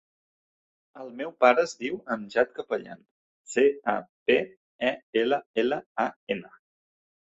El meu pare es diu Amjad Capellan: ce, a, pe, e, ela, ela, a, ena.